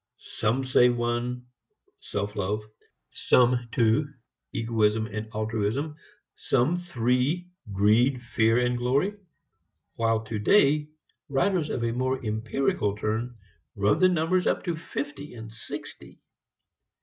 Some say one, self love; some two, egoism and altruism; some three, greed, fear and glory; while today writers of a more empirical turn run the number up to fifty and sixty.